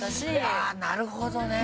あぁなるほどね！